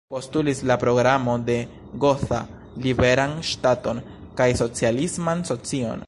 Postulis la Programo de Gotha "liberan ŝtaton" kaj "socialisman socion".